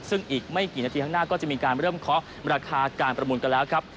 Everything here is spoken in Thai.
ซึ่งอีกไม่กี่นาทีข้างหน้าก็จะมีการเริ่มเคาะราคาการประมูลกันแล้วครับ